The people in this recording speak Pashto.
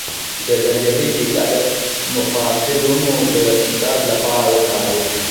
د زنجبیل ریښه د مفصلونو د درد لپاره وکاروئ